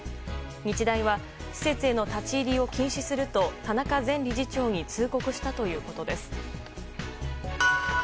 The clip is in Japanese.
日大は、施設への立ち入りを禁止すると田中前理事長に通告したということです。